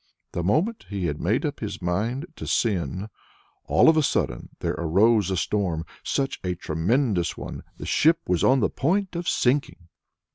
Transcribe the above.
The moment he had made up his mind to the sin, all of a sudden there arose a storm such a tremendous one! the ship was on the point of sinking.